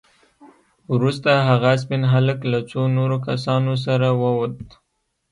وروسته هغه سپين هلک له څو نورو کسانو سره ووت.